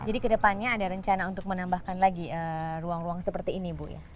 jadi kedepannya ada rencana untuk menambahkan lagi ruang ruang seperti ini bu ya